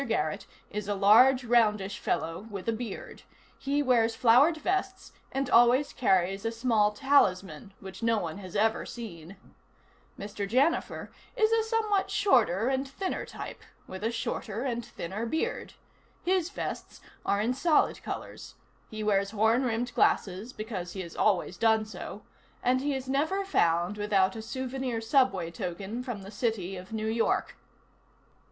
Garrett is a large, roundish fellow with a beard. He wears flowered vests and always carries a small talisman which no one has ever seen. Mr. Janifer is a somewhat shorter and thinner type, with a shorter and thinner beard. His vests are in solid colors, he wears horn rimmed glasses because he has always done so, and he is never found without a souvenir subway token from the City of New York.